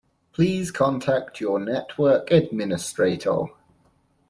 Please contact your network administrator.